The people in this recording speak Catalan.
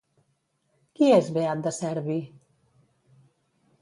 Qui és Beat de Cerbi?